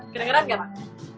keren keren gak pak